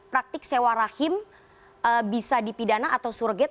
praktik sewa rahim bisa dipidana atau surget